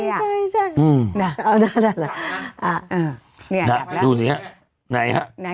ใช่ใช่ใช่